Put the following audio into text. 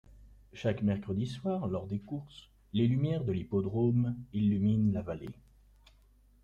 Chaque mercredi soir, lors des courses, les lumières de l'hippodrome illuminent la vallée.